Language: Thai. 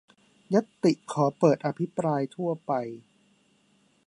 ญัตติขอเปิดอภิปรายทั่วไป